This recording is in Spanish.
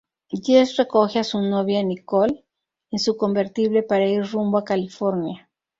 Jess recoge a su novia, Nicole, en su convertible para ir rumbo a California.